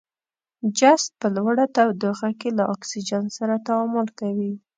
جست په لوړه تودوخه کې له اکسیجن سره تعامل کوي.